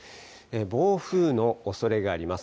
暴風のおそれがあります。